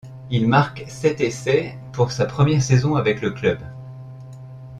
Il marque sept essais pour sa première saison avec le club.